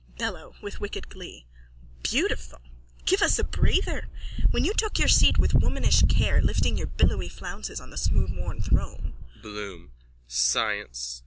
BELLO: (With wicked glee.) Beautiful! Give us a breather! When you took your seat with womanish care, lifting your billowy flounces, on the smoothworn throne. BLOOM: Science.